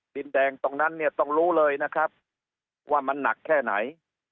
ดินแดงตรงนั้นเนี่ยต้องรู้เลยนะครับว่ามันหนักแค่ไหน